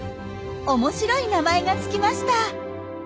面白い名前がつきました。